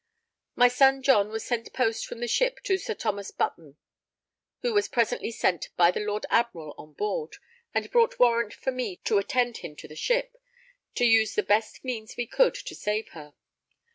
My son John was sent post from the ship to Sir Thomas Button, who was presently sent by the Lord Admiral on board, and brought warrant for me to attend him to the ship, to use the best means we could to save her.